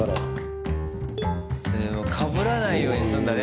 かぶらないようにするんだね